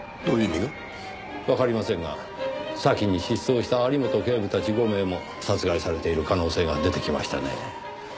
どういう意味が？わかりませんが先に失踪した有本警部たち５名も殺害されている可能性が出てきましたねぇ。